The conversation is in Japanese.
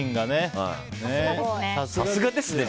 さすがですね。